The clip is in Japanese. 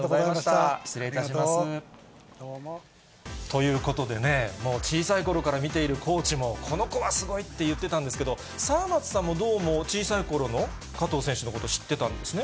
どうも。ということでね、小さいころから見ているコーチも、この子はすごいって言ってたんですけど、沢松さんも、どうも小さいころの加藤選手のこと、知ってたんですね。